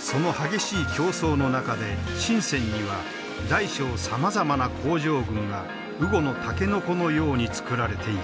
その激しい競争の中で深には大小さまざまな工場群が雨後の竹の子のようにつくられていく。